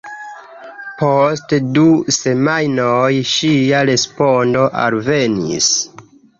Post du semajnoj ŝia respondo alvenis.